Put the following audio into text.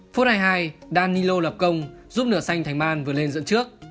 phút hai mươi hai danilo lập công giúp nửa xanh thành man vượt lên dẫn trước